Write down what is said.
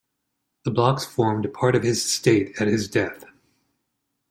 The blocks formed part of his estate at his death.